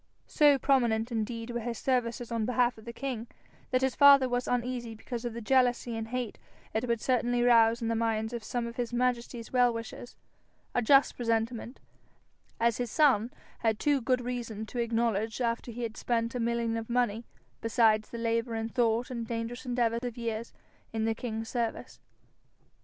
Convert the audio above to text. So prominenf indeed were his services on behalf of the king, that his father was uneasy because of the jealousy and hate it would certainly rouse in the minds of some of his majesty's well wishers a just presentiment, as his son had too good reason to acknowledge after he had spent a million of money, besides the labour and thought and dangerous endeavour of years, in the king's service.